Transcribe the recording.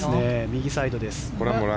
右サイドです。